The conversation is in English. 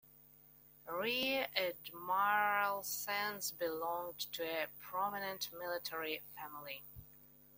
Rear Admiral Sands belonged to a prominent military family.